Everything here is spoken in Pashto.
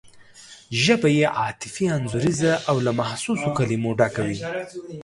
ژبه یې عاطفي انځوریزه او له محسوسو کلمو ډکه وي.